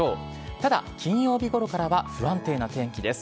ただ、金曜日ごろからは不安定な天気です。